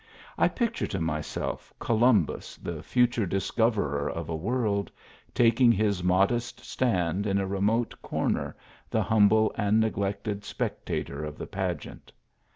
I picture to myself Columbus, the future discoverer of a world, taking his modest stand in a remote corner, the humble and neglected spectator of the pageant.